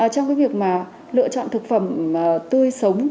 trong cái việc mà lựa chọn thực phẩm tươi sống